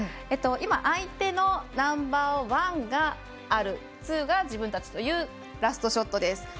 今、相手のナンバーワンがあるツーが自分たちというラストショットです。